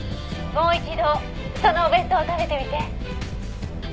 もう一度そのお弁当を食べてみて」